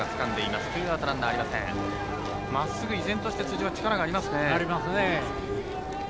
まっすぐ、依然として辻は力がありますね。